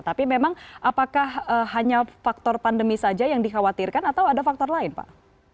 tapi memang apakah hanya faktor pandemi saja yang dikhawatirkan atau ada faktor lain pak